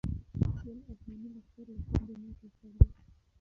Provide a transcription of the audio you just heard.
ولې افغاني لښکر له تندې ماتې خوړله؟